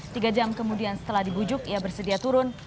tiga jam kemudian setelah dibujuk ia bersedia turun